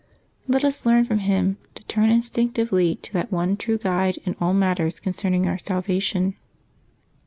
Let us learn from him to turn instinc tively to that one true guide in all matters concerning our salvation.